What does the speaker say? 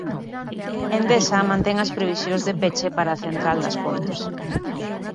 Endesa mantén as previsións de peche para a central das Pontes.